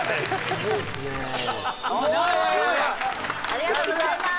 ありがとうございます。